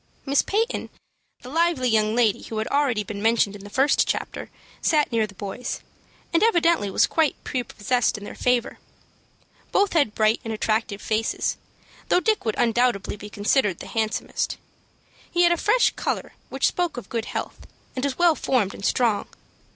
Miss Peyton, the lively young lady who has already been mentioned in the first chapter, sat near the boys, and evidently was quite prepossessed in their favor. Both had bright and attractive faces, though Dick would undoubtedly be considered the handsomest. He had a fresh color which spoke of good health, and was well formed and strong.